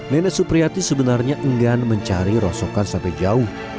nenek supriyati sebenarnya enggan mencari rosokan sampai jauh